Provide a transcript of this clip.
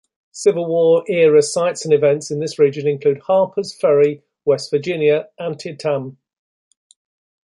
Civil War-era sites and events in this region include Harpers Ferry, West Virginia; Antietam.